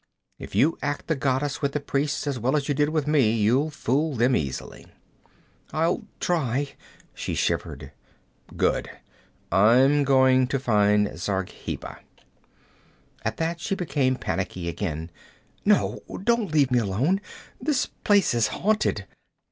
If you act the goddess with the priests as well as you did with me, you'll fool them easily.' 'I'll try,' she shivered. 'Good; I'm going to find Zargheba.' At that she became panicky again. 'No! Don't leave me alone! This place is haunted!'